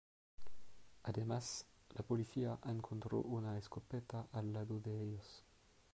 Además, la policía encontró una escopeta al lado de ellos.